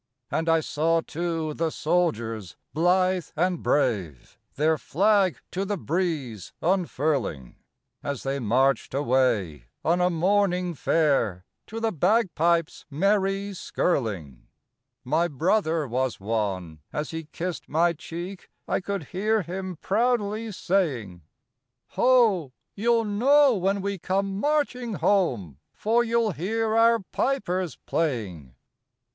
And I saw, too, the soldiers blithe and brave Their flag to the breeze unfurling, As they marched away on a morning fair To the bagpipes' merry skirling. My brother was one. As he kissed my cheek, I could hear him proudly saying: "Ho! you'll know when we come marching home, For you'll hear our pipers playing."